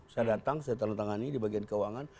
saya datang saya tanah tangan ini di bagian keuangan